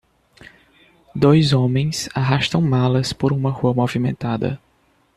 Dois homens arrastam malas por uma rua movimentada.